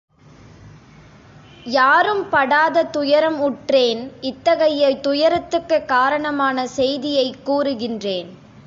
யாரும் படாத துயரம் உற்றேன் இத்தகைய துயரத்துக்குக் காரணமான செய்தியைக் கூறுகின்றேன்.